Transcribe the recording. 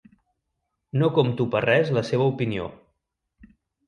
No compto per res la seva opinió.